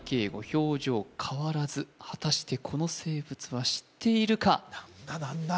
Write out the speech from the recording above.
表情変わらず果たしてこの生物は知っているかなんだなんだ？